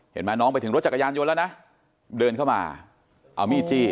น้องไปถึงรถจักรยานยนต์แล้วนะเดินเข้ามาเอามีดจี้